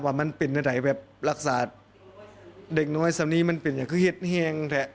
ว่ามันเป็นในไหนแบบรักษาเด็กน้อยสำหรับนี้มันเป็นอย่างเฮ็ดแห้งแทะ